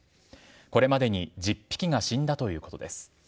これまでに１０匹が死んだということです。